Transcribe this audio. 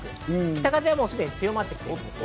北風ではすでに強まっています。